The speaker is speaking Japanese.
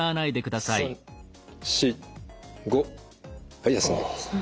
はい休んでください。